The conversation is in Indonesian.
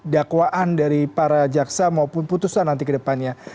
dakwaan dari para jaksa maupun putusan nanti kedepannya